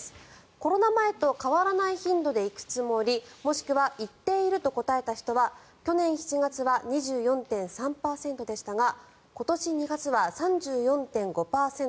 コロナ前と変わらない頻度で行くつもりもしくは行っていると答えた人は去年７月は２４．３％でしたが今年２月は３４．５％。